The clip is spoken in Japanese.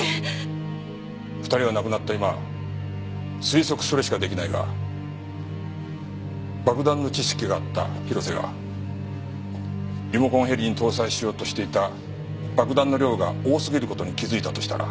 ２人が亡くなった今推測するしか出来ないが爆弾の知識があった広瀬がリモコンヘリに搭載しようとしていた爆弾の量が多すぎる事に気づいたとしたら。